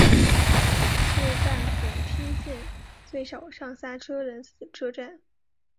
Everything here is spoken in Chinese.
是大井町线最少上下车人次的车站。